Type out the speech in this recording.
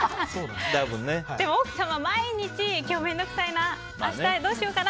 奥様は毎日今日面倒くさいな明日どうしようかな？